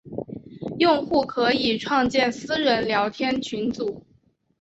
用户可以创建私人聊天群组。